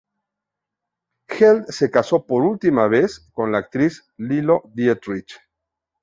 Held se casó por vez primera con la actriz Lilo Dietrich.